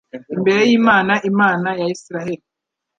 imbere y’Imana Imana ya Israheli